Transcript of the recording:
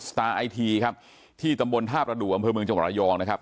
สตาร์ไอทีที่ตำบลภาพระดุอำเภอเมืองจังหวะรยองนะครับ